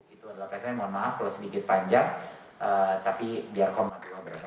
itu adalah persenya mohon maaf kalau sedikit panjang tapi biar komat juga berapa